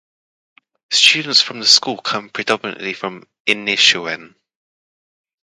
Students from the school come predominately from Inishowen.